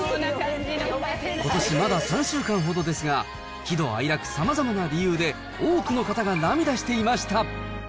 ことしまだ３週間ほどですが、喜怒哀楽さまざまな理由で、多くの方が涙していました。